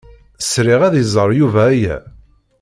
Sriɣ ad iẓer Yuba aya.